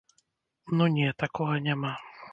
Ну не, такога няма.